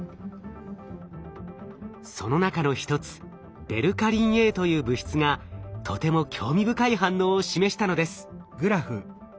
その中の一つベルカリンＡという物質がとても興味深い反応を示したのです。